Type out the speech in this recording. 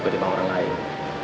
ketika orang lain